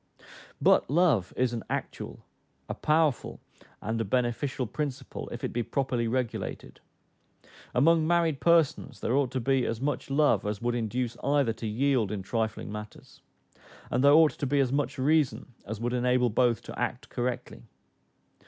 But love is an actual, a powerful, and a beneficial principle, if it be properly regulated. Among married persons there ought to be as much love as would induce either to yield in trifling matters; and there ought to be as much reason as would enable both to act correctly.